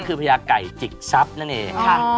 ก็คือพญาไก่จิกซับนั่นเอง